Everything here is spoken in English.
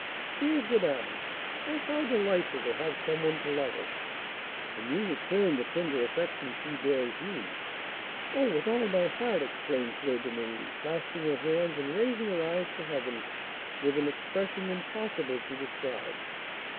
"Dear, good aunt! Oh, how delightful to have some one to love us!" "And you return the tender affection she bears you?" "Oh, with all my heart!" exclaimed Fleur de Marie, clasping her hands, and raising her eyes to heaven with an expression impossible to describe.